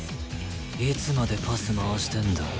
いつまでパス回してんだよ。